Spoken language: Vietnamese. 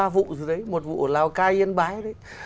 hai ba vụ rồi đấy một vụ là lào cai yên bái đấy